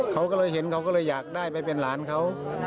เขาก็เลยเห็นเขาก็เลยอยากได้ไปเป็นหลานเขา